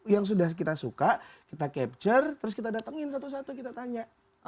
yang sudah kita suka kita capture terus kita datengin satu satu kita tanya